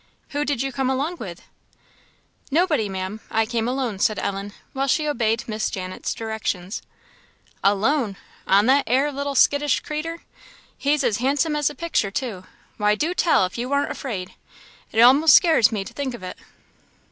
Who did you come along with?" "Nobody, Ma'am I came alone," said Ellen, while she obeyed Miss Janet's directions. "Alone! on that 'ere little skittish creeter? he's as handsome as a picture, too why, do tell if you warn't afraid? it a'most scares me to think of it."